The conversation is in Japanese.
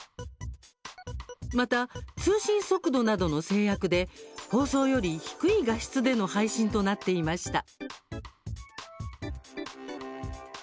また、通信速度などの制約で放送より低い画質での配信となっていました。